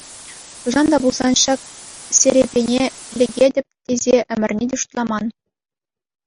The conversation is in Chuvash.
Хӑҫан та пулсан ҫак серепене лекетӗп тесе ӗмӗрне те шутламан.